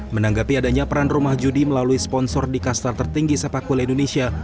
menanggapi adanya peran rumah judi melalui sponsor di kastar tertinggi sepak bola indonesia